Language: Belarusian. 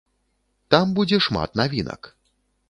Там будзе шмат навінак.